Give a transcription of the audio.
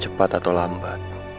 cepat atau lambat